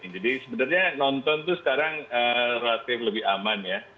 jadi sebenarnya nonton itu sekarang relatif lebih aman ya